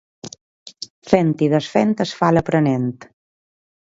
Fent i desfent, es fa l'aprenent.